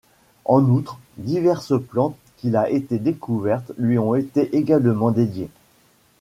En outre, diverses plantes qu’il a été découvertes lui ont été également dédiées.